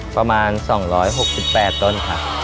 ประมาณ๒๖๘ต้นค่ะ